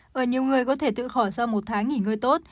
và nhiều người có thể tự khỏi sau một tháng nghỉ ngơi tốt